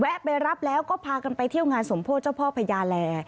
ไปรับแล้วก็พากันไปเที่ยวงานสมโพธิเจ้าพ่อพญาแล